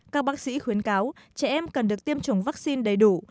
các bác sĩ khuyến cáo trẻ em cần được tiêm chủng vaccine đầy đủ